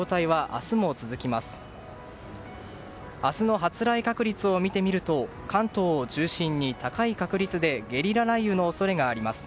明日の発雷確率を見てみると関東を中心に高い確率でゲリラ雷雨の恐れがあります。